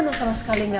tante maaf ya ganggu